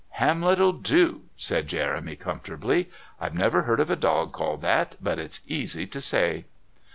"Hamlet'll do," said Jeremy comfortably. "I've never heard of a dog called that, but it's easy to say."